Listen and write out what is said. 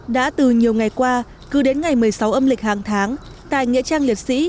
đã từ nhiều ngày qua cứ đến ngày một mươi sáu âm lịch hàng tháng tại nghệ trang liệt sĩ